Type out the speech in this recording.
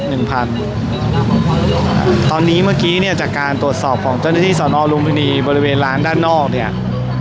หนึ่งพันตอนนี้เมื่อกี้เนี่ยจากการตรวจสอบของเจ้าหน้าที่สอนอลุมพินีบริเวณร้านด้านนอกเนี่ย